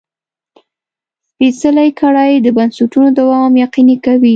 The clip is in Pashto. سپېڅلې کړۍ د بنسټونو دوام یقیني کوي.